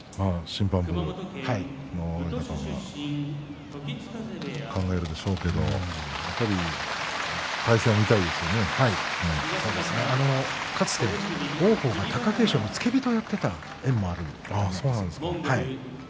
審判部の方々は考えるでしょうけどかつて王鵬は貴景勝の付け人をやっていた縁もあるんですよね。